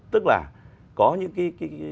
tức là có những cái